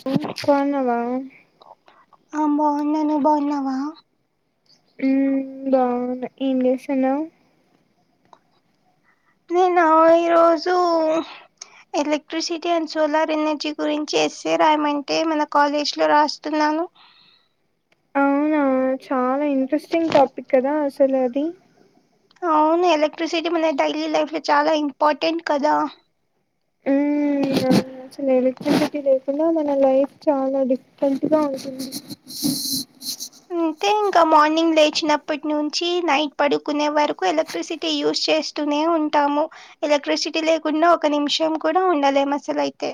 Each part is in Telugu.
హ్మ్ బోన్నావా ఆ బాగున్నాను నువ్ బాగున్నావా హ్మ్ బాగున్నా ఏం చేస్తున్నావ్ నేనా ఈరోజు ఎలక్ట్రిసిటీ అండ్ సోలార్ ఎనర్జీ గురించి ఎస్సే రాయమంటే మన కాలేజ్ లో రాస్తున్న అవునా చాలా ఇంట్రెస్టింగ్ టాపిక్ కదా అసలు అది అవును ఎలక్ట్రిసిటీ మన డైలీ లైఫ్ లో చాలా ఇంపార్టెంట్ కదా మ్మ్ అవును అసలు ఎలక్ట్రిసిటీ లేకుండా మన లైఫ్ చాలా డిఫరెంట్ గా ఉంటుంది అంటే ఇంక మార్నింగ్ లేచినప్పటి నుంచి నైట్ పడుకునే వరకు ఎలక్ట్రిసిటీ యూజ్ చేస్తూనే ఉం టాము ఎలక్ట్రిసిటీ లేకుండా ఒక నిమిషం కూడా ఉండలేం అసలు అయితే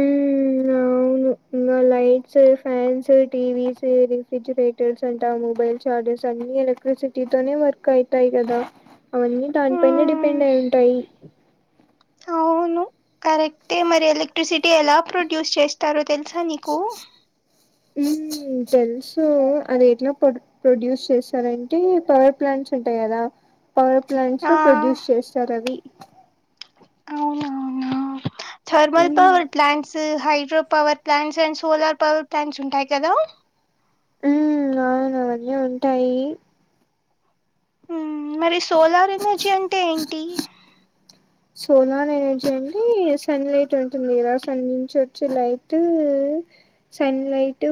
మ్ అవును ైట్స్ ఫ్యాన్స్ టీవిస్ రిఫ్రిజరేటర్స్ అంటా మొబైల్ చార్జర్స్ అన్న ఎలక్ట్రిసిటీతోనే వర్క్ అవుతాయి కదా అవన్నీ దానిపైనే మ్మ్. డిపెండ్ అయి ఉంటాయి అవును కరెక్టే మరి ఎలక్ట్రిసిటీ ఎలా ప్రొడ్యూస్ చేస్తారు తెలుసా నీకు తేలుసు అది ఎట్లా ప్రొ ప్రొడ్యూస్ చేస్తారంటే పవర్ ప్లాంట్స్ ఉంటాయి కదా పవర్ ప్లాంట్స్ లో ప్రొడ్యూస్ చేస్తారు అవి అవునా thermal um ్లలాన్స్ height ్రో power plants and solar power plants ఉంటాయి కదా మ్ అవును అవన్నీ ఉంటాయి న్ మరి సోలార్ ఎనర్జీ అంటే ఏంటి సోలార్ ఎనర్జీ అండి సన్ లైట్ ఉంటుంది కదా సన్ నుంచి వచ్చే లైట్ సన్లైట్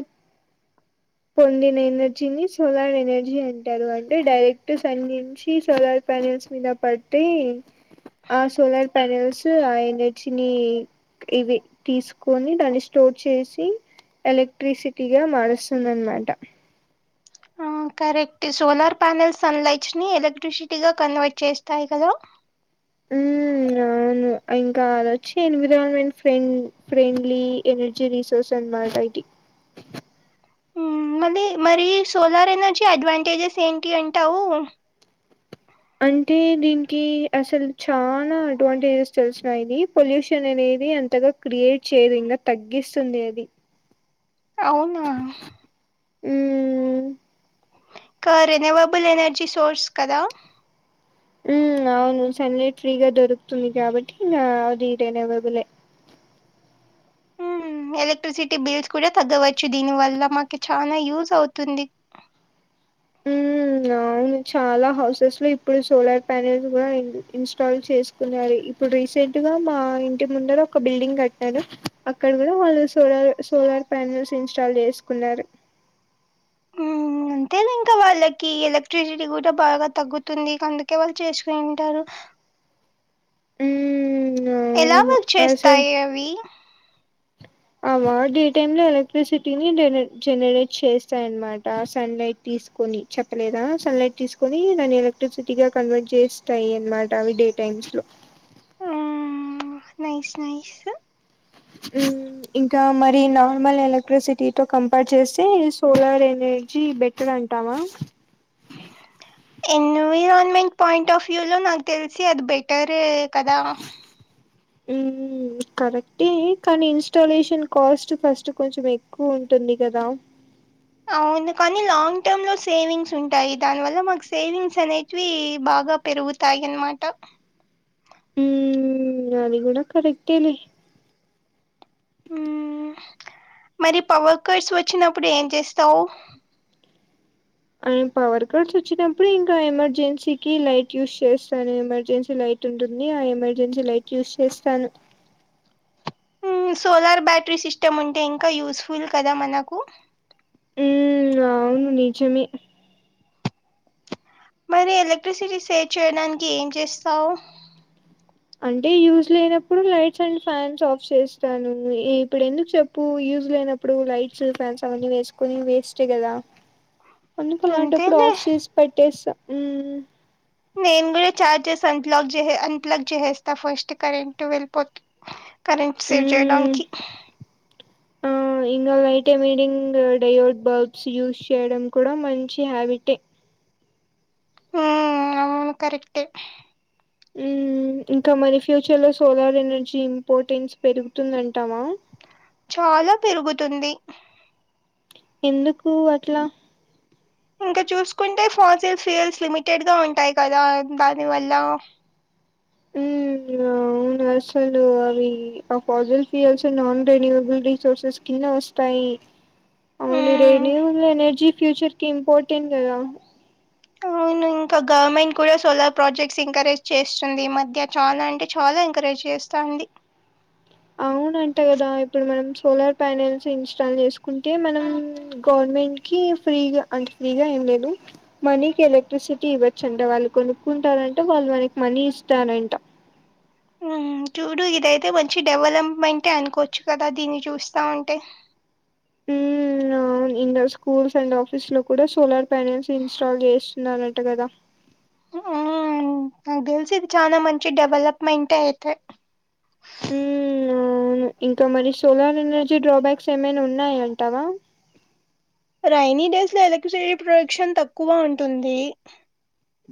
పొందిన ఎనర్జీని సోలార్ ఎనర్జీ అంటారు అంటే డైరెక్ట్ సన్ నుంచి సోలార్ పెరల్స్ మీద పట్టి ఆ సోలార్ పనెల్స్ ఆ ఎనర్జిని ఇవి తీసుకొని దాన్ని స్టోర్ చేసి ఎలక్ట్రిసిటీగా మారుస్ దన్నమాట ఆ correct solar panel sun lights ని ఎలక్ట్రిసిటీగా కన్వర్ట్ చేస్తాయి కదా మ్ అవును ఇంకా అది వచ్చి ఎన్విరాన్మెంట్ ఫ్రెం ఫ్రెండ్లీ ఎనర్జీ రీసోర్స్ అనమాట ఇది మ్ మళ్ళీ మరి సోలార్ ఎనర్జీ అడ్వాంటేజెస్ ఏంటి అంటావు అంటే దీనికి అసలు చాలా అడ్వాంటేజెస్ తెలిసినయిది పొల్యూషన్ అని ఇది అంతగా క్రియేట్ చేయదు ఇంకా తగ్గిస్తుంది అది అవునా మ్ క రెన్యువబుల్ ఎనర్జీ సోర్స్ కదా మ్ అవును సన్ నైట్ ఫ్రీగా దొరుకుతుంది కాబట్టి గ అది రినవాబులే ఎలక్ట్రిసిటీ బిల్స్ కూడా తగ్గవచ్చు దీని వల్ల మనకి చాలా యూజ్ అవుతుంది ఉమ్ అవును చాలా హౌసెస్ లో ఇప్పుడు సోలార్ ప్యానెల్స్ కూడా ఇన్స్టాల్ చేసుకున్నారు ఇప్పుడు రీసెంట్ గా మా ఇంటి ముందర ఒక బిల్డింగ్ కట్టినడు అక్కడ కూడా వాళ్ళు solar so your prime news install చేసుకున్నారు ఉమ్ ఉంటది ఇంకా వాళ్ళకి ఎలక్ట్రిసిటీ కూడా బాగా తగ్గుతుంది అందుకే వాళ్ళు చేసుకునింటారు ఉమ్ ఎలా అవును వర్క్ అసే చేస్తాయి అవి అమా డే టైమ్ లో ఎలక్ట్రిసిటీని జనర్ జనరేట్ చేస్తాయన్మాట సన్లైట్ తీస్ కొని చెప్పలేదా సన్లైట్ తీసుకొని దాన్ని ఎలక్ట్రిసిటీగా కన్వర్ట్ చేస్తాయన్మాట అవి డే టైమ్ మ్స్ లో నైష్ నైష్ ఈ నార్మల్ ఎలక్ట్రిసిటీ తో కంపైర్ చేస్తే సోలార్ ఎనర్జీ బెటర్ అంటావా ఎన్విరాన్మెంట్ పాయింట్ ఆఫ్ వ్యూ లో నాకు తెలిసి అది బెటరే కదా ఉం కరెక్టే కానీ ఇన్స్టాలేషన్ కాస్ట్ ఫస్ట్ కొంచెం ఎక్కువుంటుంది కదా అవును కానీ లాంగ్ టర్మ్ లో సేవింగ్స్ ఉంటాయి దానివల్ల మాకు సేవింగ్స్ అనేటివి బా గా పెరుగుతాయి అన్మాట ఉం అది కూడా కరెక్ట్ ఏ లే ఉమ్ మరి పవర్ కట్స్ వచ్చినప్పుడు ఏం చేస్తావు అండ్ పవర్ కట్స్ వచ్చినప్పుడు ఇంకా ఎమర్జెన్సీకి లైట్ యూజ్ చేస్తాను ఎమర్జెన్సీ లైట్ ట్ ఉంటుంది ఆ ఎమర్జెన్సీ లైట్ యూస్ చేస్తాను ఉమ్ సోలార్ బ్యాటరీ సిస్టమ్ ఉంటే ఇంకా యూస్ఫుల్ కదా మనకు ఉం అవును నిజమే మరి ఎలక్ట్రిసిటీ సేవ్ చేయడానికి ఏం చేస్తావు అంటే యూజ్ లేనప్పుడు లైట్స్ అండ్ ఫ్యాన్స్ ఆఫ్ చేస్తాను ఇప్పుడు ఎందుకు చెప్పు యూజ్ లేనప్పుడు లైట్స్ ఫ్యాన్స్ అవన్నీ వేసుకొని వేస్ట్ కదా అందుకె అలాంటప్పుడు అంతేలే ఆఫ్ చేస్ పెట్టేస్తా నేను కూడా చార్జెస్ అన్ప్లాక్ చే అన్ప్లాక్ చేసేస్తా ఫస్ట్ కరెంట్ వెళ్ళిపోతు కరెంట్ సేవ్ మ్మ్ చేయడానికి ఆ ఇంగా లైట్ మీడింగ్ డే వొడ్ బల్బ్స్ యూస్ చేయడం కూడా మంచి హ్యాబిటే ఉం అవును కరెక్ట్ ఏ ఉ ఇంకా మరి ఫ్యూచర్ లో సోలార్ ఎనర్జీ ఇంపార్టెన్స్ పెరుగుతుందంటామా చాలా పెరుగుతుంది ఎందుకు అట్లా ఇంకా చూసుకుంటే ఫాన్సల్ సేల్స్ లిమిటెడ్ గా ఉంటాయి కదా దాని వల్ల ఉమ్ అవున్ అసలు అవి ఆ fossil fuels non renewable resources కింద వస్తాయి అవును మ్మ్ రేన్యూల్ ఎనర్జీ ఫ్యూచర్ కి ఇంపార్టెంట్ కదా అవును ఇంకా గవర్నమెంట్ కూడా సోలార్ ప్రాజెక్ట్స్ ఎంకరేజ్ చేస్తుంది మధ్య చాలా అంటే చా ఎంకరేజ్ చేస్తాంది అవు నంట కదా ఇప్పుడు మనం సోలార్ ప్యానల్స్ ఇన్స్టాల్ చేసుకుంటే మనం గవర్నమెంట్ కి ఫ్రీగా అంటే ఫ్రీగా ఏం లేదు మనీకి ఎలక్ట్రిసిటీ ఇవ్వచ్చంట వాళ్ళు కొనుక్కుంటారంట వాల్ మనకి మనీ ఇస్థారాంట ఉమ్ చూడు ఇదైతే మంచి డెవలప్మెంటే అనుకోవచ్చు కదా దీన్ని చూస్తా ఉంటే మ్ అవ్ ఇంగ స్కూల్స్ అండ్ ఆఫీస్ లో కూడా సోలార్ ప్యానల్స్ ఇన్స్టాల్ చేస్తున్నరట కదా ఆ నాకు తెలిసి ఇది చాలా మంచి డెవలప్మెంట్ అయితది ఉమ్ అవును ఇంకా మరి సోలార్ ఎనర్జీ డ్రాబ్యాక్స్ ఏమైనా ఉన్నాయంటావా రైైని డేస్ లో ఎలక్ట్రిసిటీ ప్రొడక్షన్ తక్కువ ఉంటుంది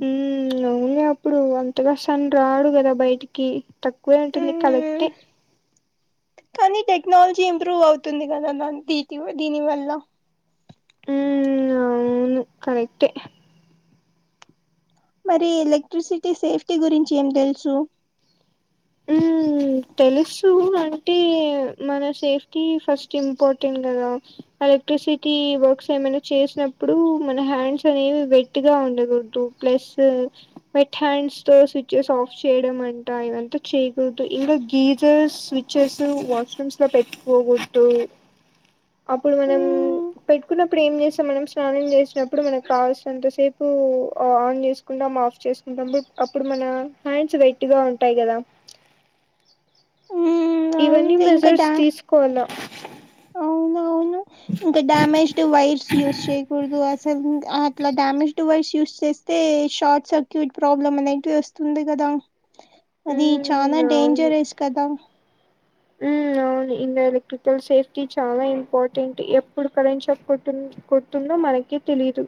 మ్ అవులే అప్పుడు అంతగా సను రాడు కదా బయటికి తక్కువే ఉంటుంది మ్మ్, కరేక్టే కానీ టెక్నాలజీ ఇంప్రూవ్ అవుతుంది కదా దా దీ దీని వల్ల మ్ అవును కరెక్ట్ే మరి ఎలక్ట్రిసిటీ సేఫ్టీ గురించి ఏం తెలుసు మ్ మ్ తెలుసు అంటే మన సేఫ్టీ ఫస్ట్ ఇంపార్టెంట్ కదా ఎలక్ట్రిసిటీ వర్క్స్ ఏమైనా చేసినప్పుడు మన హ్యాండ్స్ అనేవి వెట్ గా ఉండకూడదు ప్లస్ మట్ హ్యాండ్స్ తో స్విచెస్ ఆఫ్ చేయడం అంట ఇవంతా చేయకూడదు ఇంకా గీజర్స్ స్విచెస్ వాష్రూమ్స్ లో పెట్టుకోకూడదు అప్పుడు మనం మ్మ్, పెట్టుకున్నప్పుడు ఏం చేస్తాం మనం స్నానం చేసినప్పుడు మనకు కావాల్సినంతసేపు ఆన్ చేసుకుంటాం ఆఫ్ చేసుకుంటాం అప్పుడు మన హ్యాండ్స్ వెైట్గా ఉంటాయి కదా మ్మ్, ఇవన్నీ అవును ఇంకా మెజర్స్ డా తీసుకోవాల అవునవును ఇంకా డ్యామేజ్డ్ వైర్స్ యూస్ చేయకూడదు అస్ అట్లా డ్యామేజ్డ్ వైర్స్ యూస్ చేస్తే షార్ట్ సర్క్యూట్ ప్రాబ్లం అనేటివి వస్తుంది కదా అది చాలా ఉమ్ డేంజరస్ కదా మ్ అవును ఎలక్ట్రికల్ సేఫ్టీ చాలా ఇంపార్టెంట్ ఎప్పుడు కరెంట్ షాక్ కోడ్ కొడుతుందో మనకే తెలిదు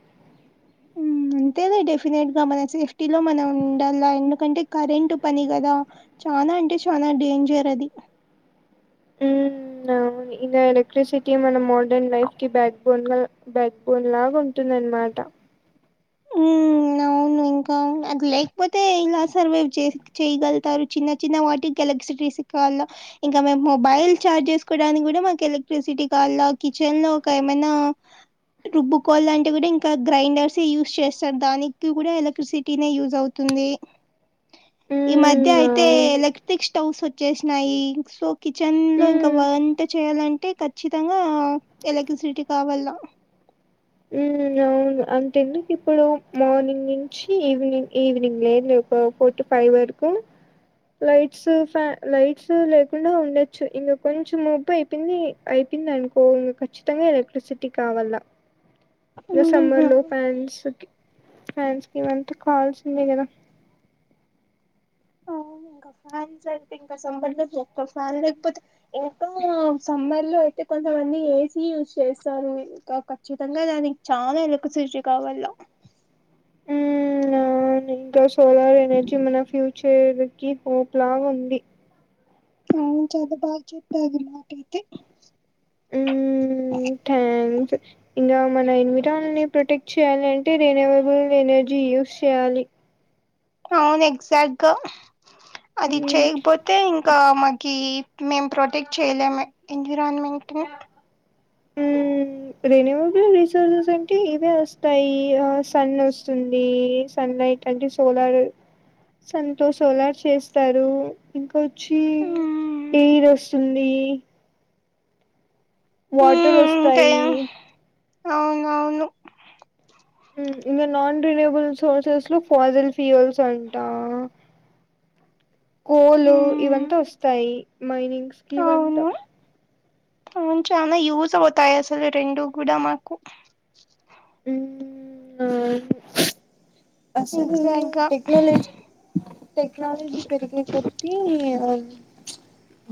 ఉమ్, అంతేలే డెఫినెట్ గా మన సేఫ్టీలో మనం ఉండాల ఎందుకంటే కరెంట్ పని కదా చ చనా అంటే చాలా డేంజర్ అది మ్ ఇది ఎలక్ట్రసిటీ మన మోడర్న్ లైఫ్ కి బ్యాక్ బోన్ బ్యాక్ బోన్ లాగా ఉంటుం దన్మాట ఉమ్ అవును ఇంకా అది లేకపోతే ఎలా సర్వైవ్ చే చేయగలుగుతారు చిన్న చిన్న వాటికి ఎలక్ట్రిసిటీ ఇంకా మేము మొబైల్ చార్జ్ చేసుకోవడానికి కూడా మాకు ఎలక్ట్రిసిటీ కా కిచెన్ లో కై మైనా రుబ్బుకోవాళంటే కూడా ఇంకా గ్రైండర్స్ యూస్్ చేస్తారు దానికి కూడా ఇలక్ సిటీనే యూజ్ అవుతుంది ఈ మధ్య ఉమ్ అయితే అవును ఎలక్ట్రిక్ స్టవ్స్ వచ్చేసినాయి సో కిచెన్ లో ఇంకా ఉమ్ వంట చేయాలం టే ఖచ్చితంగా ఎలక్ట్రిసిటీ కావాల మ్ అవును అంతేందుకు ఇప్పుడు మార్నింగ్ నుంచి ఈవినింగ్ ఈవినింగ్ లేదు ఫర్ టో ఫై వరకు లైట్స్ ఫ్యాన్ లైట్స్ లేకుండా ఉండొచ్చు ఇంగ కొంచెం మబ్బు అయిపోయింది అయి ప్పింద అనుకో ఇంగ ఖచ్చితంగా ఎలక్ట్రిసిటీ కావాల్ల ఇగ సమర్ అవును, లో పన్స్ కి ఫ్యాండ్స్ కి ఇమంత్ కావాల్సిందే కదా ఆ ఇంకా ఫ్యాన్ అయితే ఇంకా సమ్మర్ లో ఒక్క ఫ్యాన్ లేకపోతే ఇంకా సమ్మర్ ఇళ్ళో అయితే కొంతమంది ఏసీ యూజ్ చేస్తారు ఇంకా ఖచ్చితంగా దానికి చాలా ఎలక్సిటీ కాల్ వళ్ళ అ కి హోప్ లాగుంది అవును చాద బాగా చెప్పాద్ర్ మాకయితే ఊ థ్యాంక్స్ ఇంగా మన ఎన్విరాల్ ని ప్రొటెక్ట్ చేయ్యాల ంటే రేనావబుల్ ఎనర్జీ యూస్ చేయాలి అవున్ ఎగ్జాక్ట్గా అది ఉమ్ చేయకపోతే ఇంకా మాకి మేము ప్రొటెక్ట్ చేయలేమే ఎన్విరాన్మెంట్ ని ఉ రెన్వబుల్ రిసోర్సెస్ అంటే ఇవే వస్తాయి ఆ సన్నోస్తుంది స న్ లైట్ అంటే సోలార్ సన్ తో సోలార్ చేస్తారు కోచ్చి మ్మ్. ఏయిరస్తుంది హ్మ్ వాటర్ ఇంకా వస్తాయి అవునవును ఉమ్ ఇంగ నాన్ రినయబుల్ సోర్సస్ లో ఫజల్ ఫ్యూవల్స్ అంటా హోలు హ్మ్ ఇవంతా వస్తాయి మైనింగ్స్కివంట ఔన్ చానా యూస్ అవుతాయి అసలు రెండు కూడా మాకు ఉమ్ ఆ అసలు ఎగ్జాక్ట్ గా టెక్నాలజ్ టేక్నాలజీ పెరిగేకొద్దీ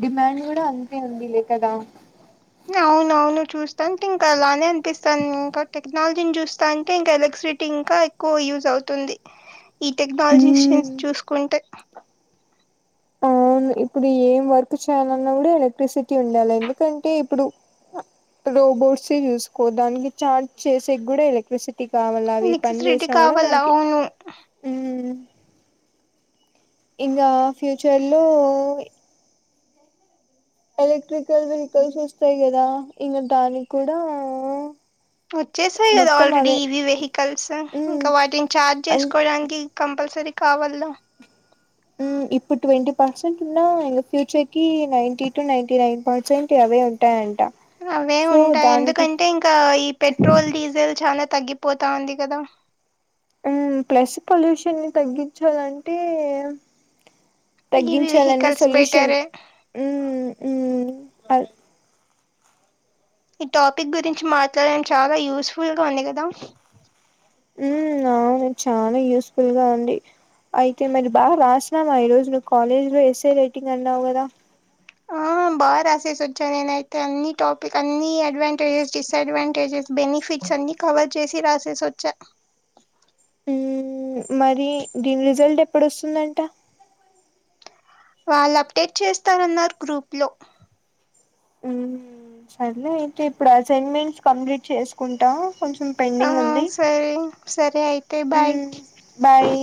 డిమాండ్ కూడా అంతే ఉంది లే కదా అవున అవును చూస్తాంటే ఇంకా అలానే అనిపిస్తాంది ఇంకా టెక్నాలజీని చూస్తాంటే ఇంకా ఎల స్రిటి ఇంకా ఎక్కువ యూజ్ అవుతుంది ఈ టెక్నాలజీస్ ఉమ్ చూసుకుంటే ఆ ఇప్పుడు ఏం వర్క్ చేయాలన్నా కూడా ఎలక్ట్రిసిటీ ఉండాలే ఎందుకంటే ఇప్పుడు రోబోట్స్ ఏ చూసుకో దానికి ఛార్జ్ చేసే గ్గుడా ఎలక్ట్రిసి టి కావాల అవి పని ఎలక్ట్రిసిటీ చేసినా కూడా కావాల దానికి అవును ఉం ఇంగా ఫ్యూచర్ లో ఎలక్ట్రికల్ వెహికల్స్ వస్తాయి కదా ఇంగ దానికి కూడా వచ్చేసాయి కదా మొత్తం ఆల్రెడీ అవే ఈవి వెహికల్స్ ఉమ్ ఇంకా వాటిని ఛార్జ్ అంటే చేసుకోవడానికి కంపల్సరీ కావల్లా ఉమ్ ఇప్పుడు ట్వంటీ పర్సెంట్ ఉన్నా ఇంగ ఫ్యూచర్ కి నైంటి టు నైంటి నైన్ పర్సెంట్వ అవె ఉంటాయం అవ్వె ఉంటాయి ఎందుకంటే ఇంకా ఈ పెట్రోల్ డీజిల్ చాన తగ్గిపోతా ఉంది కదా ఉమ్ ప్లస్ పొల్యూషన్ని తగ్గించాలంటే ఈ తగ్గించాలన్ని వెహికల్స్ సొల్యూషన్ బెటరే ఈ టాపిక్ గురించి మాట్లాడడం చాలా యూస్ఫుల్ గా ఉంది కదా ఉం అవును చాలా యూస్ఫుల్గా ఉంది అయితే మరి బాగా రాసినమా ఈ రోజు నువ్వు కాలేజ్ లో ఎస్సే రైటింగ్ అన్నావు కదా ఆ బా రాసేసచ్చ నెనయితే అన్ని టాపిక్ అన్ని అడ్వాంటేజెస్ డిస్ అడ్వాంటేజె బెనిఫిట్స్ అన్ని కవర్ చేసి రాసేసొచ్చా ఉమ్ మరి దీని రిజల్ట్ ఎప్పుదొస్తుందంట వాళ్ళు అప్డేట్ చేస్తారన్నారు గ్రూప్ లో మ్ సరేే లే అయితే ఇప్పుడు అసైన్మెంట్స్ కంప్లీట్ చేసుకుంటా కొంచెం ఆ పెండింగ్ ఉంది సరే సరే అయితే బాయ్ మ్ బాయ్